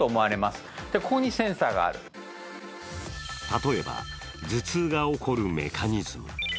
例えば頭痛が起こるメカニズム。